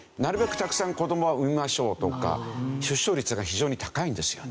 たくさん子どもは産みましょうとか出生率が非常に高いんですよね。